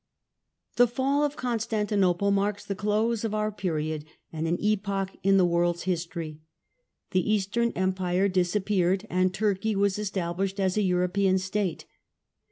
The fall of Constantinople marks the close of our pe riod and an epoch in the world's history. The Eastern Empire disappeared and Turkey was established as a European State.